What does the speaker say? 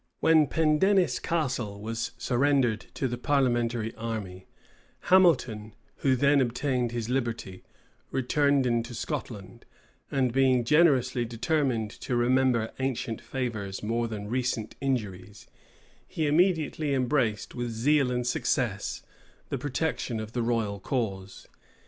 When Pendennis Castle was surrendered to the parliamentary army, Hamilton, who then obtained his liberty, returned into Scotland; and being generously determined to remember ancient favors more than recent injuries, he immediately embraced, with zeal and success, the protection of the royal cause.